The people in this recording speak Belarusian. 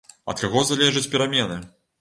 Ад каго залежаць перамены?